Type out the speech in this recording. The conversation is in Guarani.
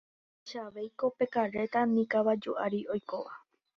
ndahechavéiko pe karréta, ni kavaju ári oikóva.